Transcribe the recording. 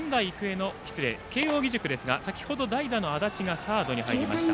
慶応義塾ですが先程代打の安達がサードに入りました。